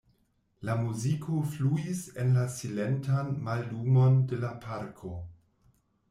La muziko fluis en la silentan mallumon de la parko.